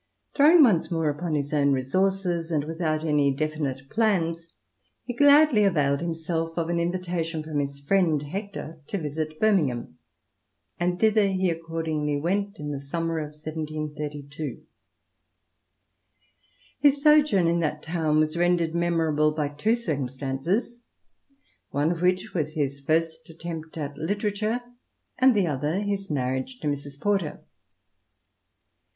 Thrown once more upon his own resources, and without any definite plans, he gladly availed himself of an invitation from his friend Hector to visit Birmingham, and thither he accordingly went in the summer of 1732. His sojourn in that town was rendered memorable by two circumstances, one of which was his first attempt at literature and the other his marriage to Mrs. Porter.